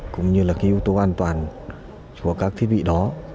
cũng như là cái yếu tố an toàn cho các thiết bị đó